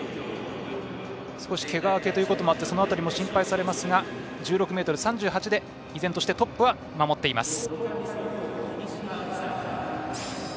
少しけが明けということもあってその辺りも心配されますが依然としてトップは守っています。